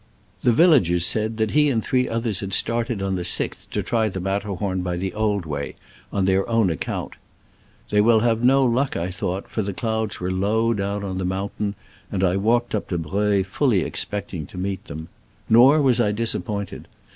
The villagers said that he and three others had started on the 6th to try the Matterhorn by the old way, on their own account. They will have no luck, I thought, for the clouds were low down on the mountains ; and I walked up to Breuil, fully expecting to meet them. Nor was I disappointed.